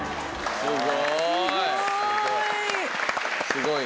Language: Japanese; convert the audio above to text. すごい。